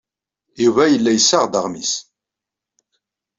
Yuba yella yessaɣ-d aɣmis.